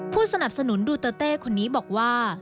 ผู้สนับสนุนดูเตอร์เต้คนนี้บอกว่า